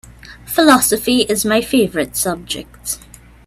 Philosophy is my favorite subject.